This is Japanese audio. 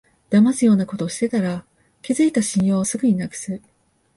だますようなことしてたら、築いた信用をすぐになくす